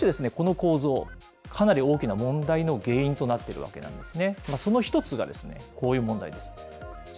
しかし、この構造、かなり大きな問題の原因となっているわけなんですね。